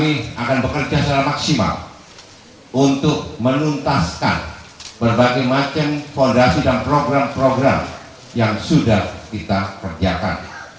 kami akan bekerja secara maksimal untuk menuntaskan berbagai macam fondasi dan program program yang sudah kita kerjakan